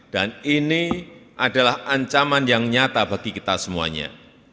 dan ini adalah ancaman yang nyata bagi kita semuanya